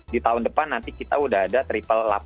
di tahun depan nanti kita udah ada triple delapan